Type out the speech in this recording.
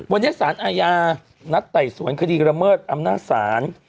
วันนี้สารอาญานัดไต่สวนคดีระเมิดอำนาจศาล